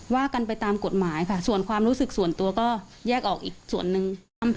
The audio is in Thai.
ว่ากันไปตามกฎหมายค่ะส่วนความรู้สึกส่วนตัวก็แยกออกอีกส่วนหนึ่ง